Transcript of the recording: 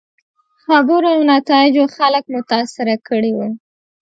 خبرو او نتایجو خلک متاثره کړي وو.